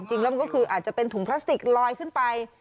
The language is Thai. จริงแล้วมันก็คืออาจจะเป็นถุงพลาสติกลอยขึ้นไป